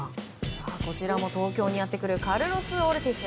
こちらも東京にやってくるカルロス・オルティス。